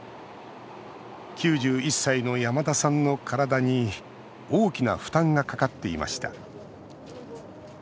９１歳の山田さんの体に大きな負担がかかっていました。